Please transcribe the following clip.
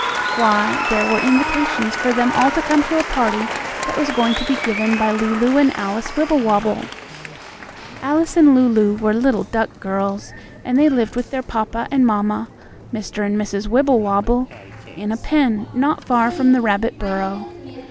Why, there were invitations for them all to come to a party that was going to be given by Lulu and Alice Wibblewobble. Alice and Lulu were little duck girls, and they lived with their papa and mamma, Mr. and Mrs. Wibblewobble, in a pen, not far from the rabbit burrow.